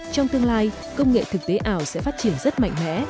trong tương lai công nghệ thực tế ảo sẽ phát triển rất mạnh mẽ